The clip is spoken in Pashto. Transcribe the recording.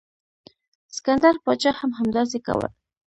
سکندر پاچا هم همداسې کول.